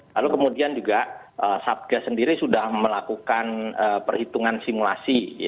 lalu kemudian juga satgas sendiri sudah melakukan perhitungan simulasi